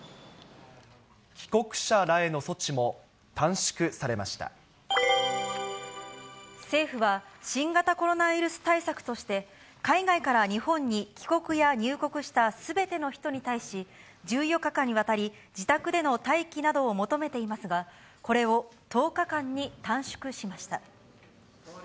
帰国者らへの措置も短縮され政府は、新型コロナウイルス対策として、海外から日本に帰国や入国したすべての人に対し、１４日間にわたり、自宅での待機などを求めていますが、これを１０日間に短縮しました。